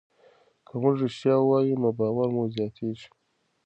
که موږ ریښتیا ووایو نو باور مو زیاتېږي.